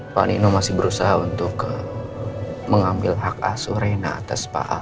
pak nino masih berusaha untuk mengambil hak asur rena atas pak al